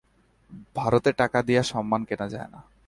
ভারতে টাকা দিয়া সম্মান কেনা যায় না।